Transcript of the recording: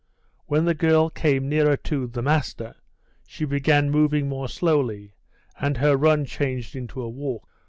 When the girl came nearer to "the master," she began moving more slowly, and her run changed into a walk.